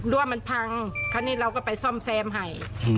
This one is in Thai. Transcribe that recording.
ว่ามันพังคราวนี้เราก็ไปซ่อมแซมให้